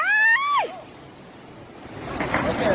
ไม่มีอะไรอ่ะไม่มีใจหรอก